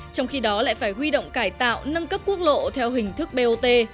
trong khi đó lại phải huy động cải tạo nâng cấp quốc lộ theo hình thức bot